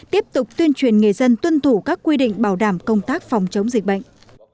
tiếp tục tuyên truyền nghề dân tuân thủ các quy định bảo đảm công tác phòng chống dịch bệnh